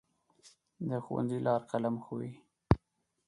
د ښوونځي لار قلم ښووي.